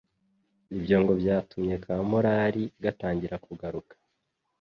Ibyo ngo byatumye ka morali gatangira kugaruka,